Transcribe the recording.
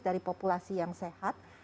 dari populasi yang sehat